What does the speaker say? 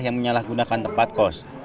yang menyalahgunakan tempat kos